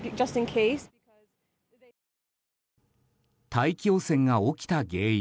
大気汚染が起きた原因。